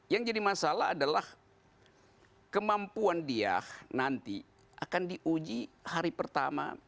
yang jadi masalah adalah kemampuan dia nanti akan diuji hari pertama